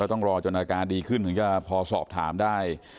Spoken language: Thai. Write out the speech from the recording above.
ต้องรอจนอาการดีขึ้นถึงจะพอสอบถามได้